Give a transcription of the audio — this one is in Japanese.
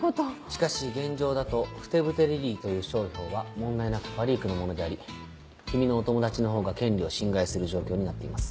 しかし現状だと「ふてぶてリリイ」という商標は問題なくパリークのものであり君のお友達の方が権利を侵害する状況になっています。